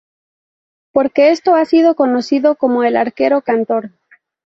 Por esto ha sido conocido como "el arquero cantor".